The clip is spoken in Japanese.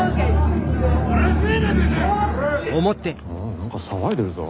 何か騒いでるぞ。